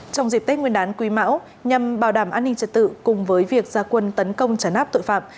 trong dịp tết nguyên đán quý mão nhằm bảo đảm an ninh trật tự cùng với việc gia quân tấn công trả nát tội phạm